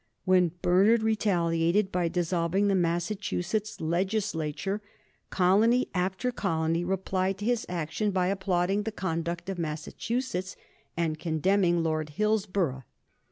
When Bernard retaliated by dissolving the Massachusetts Legislature, colony after colony replied to his action by applauding the conduct of Massachusetts and condemning Lord Hillsborough.